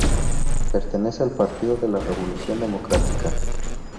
Pertenece al Partido de la Revolución Democrática.